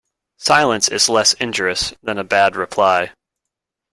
Silence is less injurious than a bad reply.